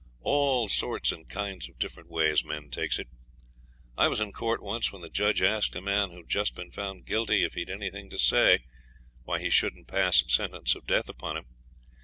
All sorts and kinds of different ways men takes it. I was in court once when the judge asked a man who'd just been found guilty if he'd anything to say why he shouldn't pass sentence of death upon him.